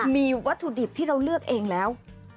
มีวัตถุดิบที่เราเลือกเองแล้ว